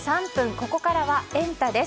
ここからはエンタ！です。